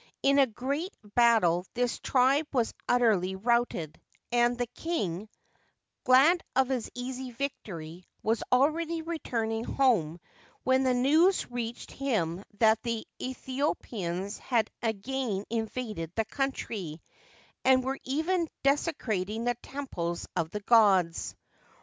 In a great battle this tribe was utterly routed, and the king, glad of his easy victory, was already returning home, when the news reached him that the Aethiopians had again invaded the country, and were even desecrating the temples of the gods.